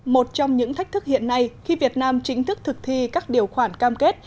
một trong những thách thức hiện nay khi việt nam chính thức thực thi các điều khoản cam kết